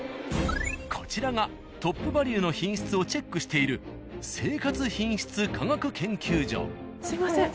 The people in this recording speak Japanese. こちらがトップバリュの品質をチェックしているすいません。